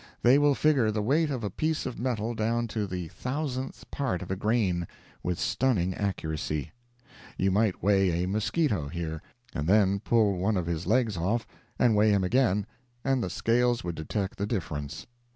They will figure the weight of a piece of metal down to the thousandth part of a grain, with stunning accuracy. You might weigh a musquito here, and then pull one of his legs off, and weigh him again, and the scales would detect the difference.